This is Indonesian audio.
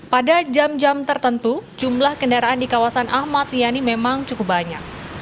pada jam jam tertentu jumlah kendaraan di kawasan ahmad riani memang cukup banyak